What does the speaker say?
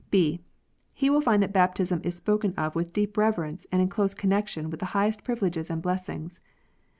(b) He will find that baptism is spoken of with deep rever ence, and in close connection with the highest privileges and blessings.